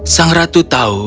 sang ratu tahu